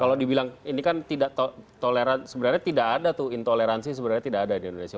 kalau dibilang ini kan tidak toleran sebenarnya tidak ada tuh intoleransi sebenarnya tidak ada di indonesia